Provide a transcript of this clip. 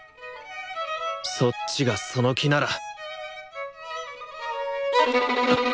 そっちがその気なら！